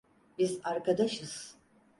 Biz arkadaşız.